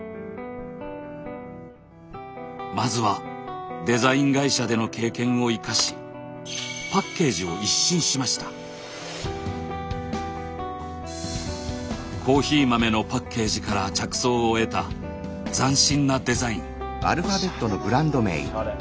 まずはデザイン会社での経験を生かしコーヒー豆のパッケージから着想を得た斬新なデザイン。